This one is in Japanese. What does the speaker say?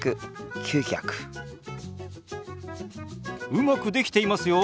うまくできていますよ